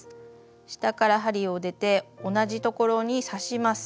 下から針を出て同じところに刺します。